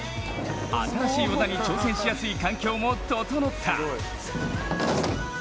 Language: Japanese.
新しい技に挑戦しやすい環境も整った。